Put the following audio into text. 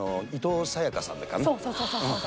そうそうそうそうそう。